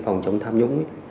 phòng chống tham nhũng